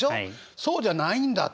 そうじゃないんだと？